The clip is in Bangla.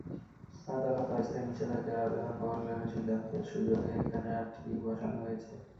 আদালত অস্থায়ী নিষেধাজ্ঞার আবেদন বহাল রাখার সিদ্ধান্তের সুযোগে এখানে হাটটি বসানো হয়েছে।